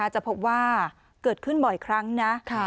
จะพบว่าเกิดขึ้นบ่อยครั้งนะ